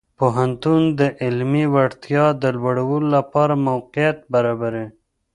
پوهنتون د علمي وړتیاو د لوړولو لپاره موقعیت برابروي.